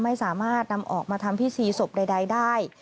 ไม่สามารถนำออกมาทำพิธีศพใดได้